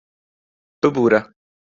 ببوورە...